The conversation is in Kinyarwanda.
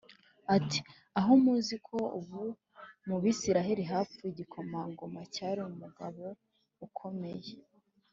ati “Aho muzi ko ubu mu Bisirayeli hapfuye igikomangoma cyari umugabo ukomeye?